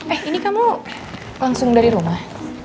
eh ini kamu langsung dari rumah